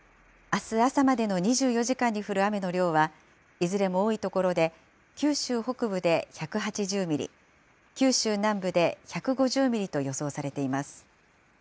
あす朝までの２４時間に降る雨の量は、いずれも多い所で九州北部で１８０ミリ、九州南部で１５０ミリと予想されています。